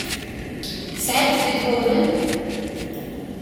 Tesɛamt Beethoven?